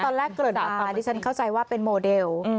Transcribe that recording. ตอนแรกเกิดออกมาดิฉันเข้าใจว่าเป็นโมเดล